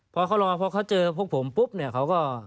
พอเขารอพอเขาเจอพวกผมปุ๊บเนี่ยเขาก็